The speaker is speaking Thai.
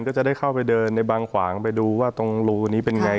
ก็จะได้เข้าไปเดินในบางขวางไปดูว่าตรงรูนี้เป็นไง